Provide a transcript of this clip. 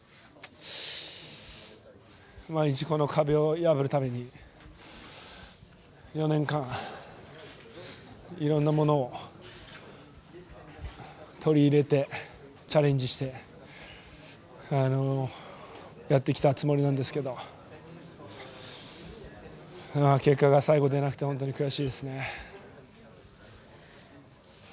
毎日この壁を破るために４年間、いろんなものを取り入れてチャレンジしてやってきたつもりなんですけど結果が最後でなくて本当悔しいですね。